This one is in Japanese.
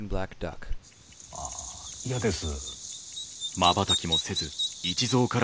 あ嫌です。